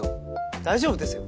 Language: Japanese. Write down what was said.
大丈夫ですよ。